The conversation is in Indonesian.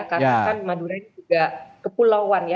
karena madura ini juga kepulauan ya